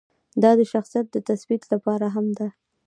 دا د شخصیت د تثبیت لپاره هم ده.